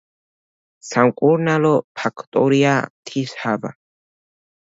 სამკურნალო ფაქტორია მთის ჰავა.